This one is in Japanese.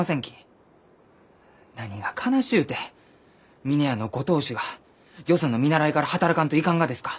何が悲しゅうて峰屋のご当主がよその見習いから働かんといかんがですか？